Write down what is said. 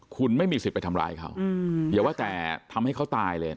คุณไม่มีสิทธิ์ไปทำร้ายเขาอย่าว่าแต่ทำให้เขาตายเลย